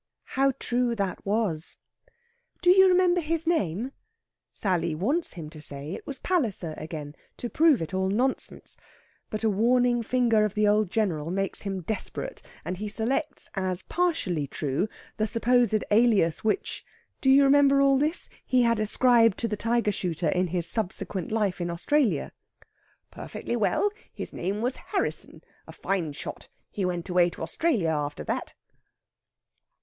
How true that was! "Do you remember his name?" Sally wants him to say it was Palliser again, to prove it all nonsense, but a warning finger of the old General makes him desperate, and he selects, as partially true, the supposed alias which do you remember all this? he had ascribed to the tiger shooter in his subsequent life in Australia. "Perfectly well. His name was Harrisson. A fine shot. He went away to Australia after that."